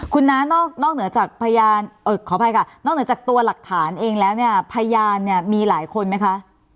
คุณน้านอกเหนือจากตัวหลักฐานเองแล้วพยานมีหลายคนไหมคะ